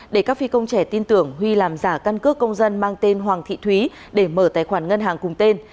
để các phi công trẻ tin tưởng huy làm giả căn cước công dân mang tên hoàng thị thúy để mở tài khoản ngân hàng cùng tên